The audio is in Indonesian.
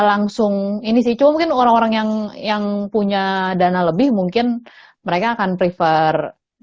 langsung ini sih cuma mungkin orang orang yang yang punya dana lebih mungkin mereka akan prefer